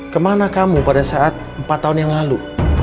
kemana kamu pada saat empat tahun yang lalu